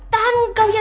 tahan gaul ya